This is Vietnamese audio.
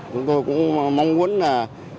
chúng tôi cũng mong muốn là